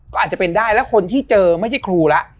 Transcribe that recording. ก็อาจจะเป็นได้แล้วคนที่เจอไม่ใช่ครูแล้ว